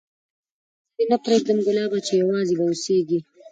زه دي نه پرېږدم ګلابه چي یوازي به اوسېږې